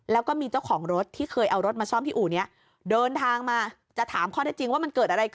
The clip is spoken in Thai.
แล้วก็มีเจ้าของรถที่เคยเอารถมาซ่อมที่อู่นี้เดินทางมาจะถามข้อได้จริงว่ามันเกิดอะไรขึ้น